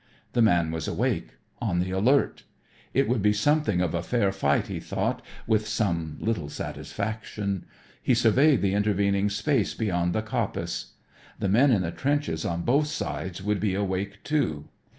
The man was awake on the alert. It would be something of a fair fight, he thought with some little satisfaction. He surveyed the intervening space beyond the coppice. The men in the trenches on both sides would be awake, too.